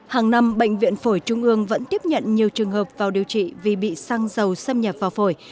hàng năm bệnh viện phổi trung ương vẫn tiếp nhận nhiều trường hợp vào điều trị vì bị xăng dầu xâm nhập vào phổi